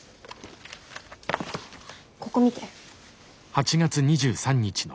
ここ見て。